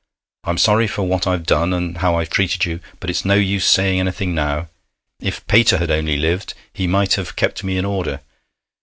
I'm sorry for what I've done, and how I've treated you, but it's no use saying anything now. If Pater had only lived he might have kept me in order.